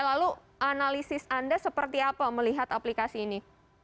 lalu analisis anda seperti apa melihat aplikasi ini